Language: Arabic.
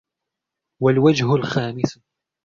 وَالْوَجْهُ الْخَامِسُ